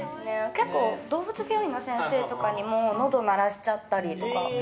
結構、動物病院の先生とかにものどを鳴らしちゃったりとか。